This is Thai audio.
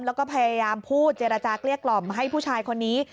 แล้วก็พยายามพูดเจรจาเกลี้ยกล่อมให้ผู้ชายคนนี้